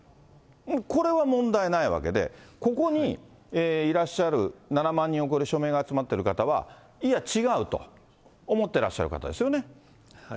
これは問題ないわけで、ここにいらっしゃる７万人を超える署名が集まってる方は、いや、違うと思ってらっしゃる方ですよね。